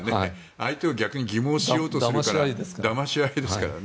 相手を逆に欺罔しようとするからだまし合いですからね。